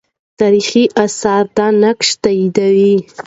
تاریخي آثار دا نقش تاییدوي.